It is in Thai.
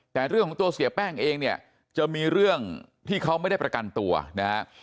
แต่เรื่องของตัวเสียแป้งเองเนี่ยจะมีเรื่องที่เขาไม่ได้ประกันตัวนะฮะ